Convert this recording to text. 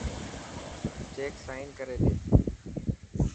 چيڪ سائن ڪري ڏي.